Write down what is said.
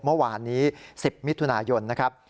เมื่อวานนี้๑๐มิถุนายนนะครับ